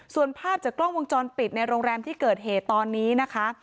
ส่วนภาพจากกล้องวงจรปิดในโรงแรมที่เกิดเหตุตอนนี้นะคะ